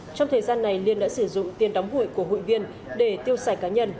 trong thời gian này liên đã sử dụng tiền đóng hụi của hụi viên để tiêu xài cá nhân